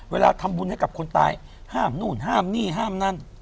เวลาทำบุญให้กับคนตายห้ามนู่นห้ามนี่ห้ามนั่น